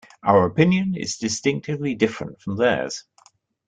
Our opinion is distinctly different from theirs.